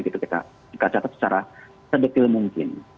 kita catat secara sedetil mungkin